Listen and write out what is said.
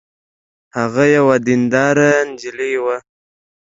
هغه یوه دینداره نجلۍ وه